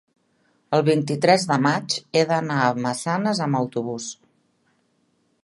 el vint-i-tres de maig he d'anar a Massanes amb autobús.